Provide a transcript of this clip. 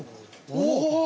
お！